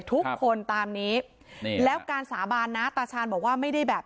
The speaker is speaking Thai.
ทุกคนตามนี้นี่แล้วการสาบานนะตาชาญบอกว่าไม่ได้แบบ